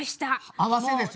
あわせです。